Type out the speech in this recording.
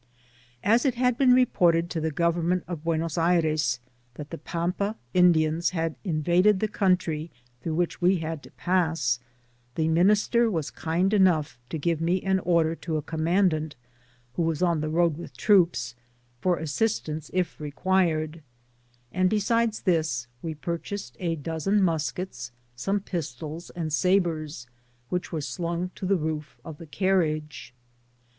As it had been reported to the government of Buenos Aires, that the Pampas Indians had in vaded the country through which we had to pass, the minister was kind enough to give me an order to a Commandant who was on the road with troops, for assistance if required; and besides this, we purchased a dozen muskets, some pistols, and sabres, which were slung to the roof of the car riage.